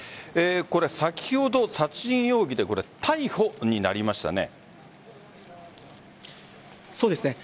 先ほど殺人容疑で逮捕になりましたね。